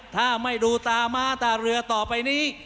ถ้าไม่ดูตาม้าตาเรือต่อไปนี้